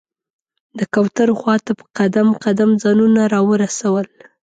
د کوترو خواته په قدم قدم ځانونه راورسول.